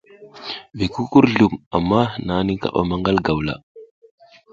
Vi kukurzlum amma nani kaɓa maƞgal gawla.